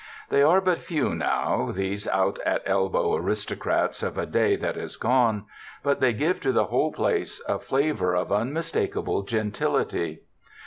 They are but few now, these out at elbow aristocrats of a day that is gone, but they give to the whole place a flavor of unmistak able gentility.